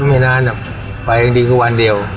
ก็ไม่นานอะไปอย่างดีก็วันเดียว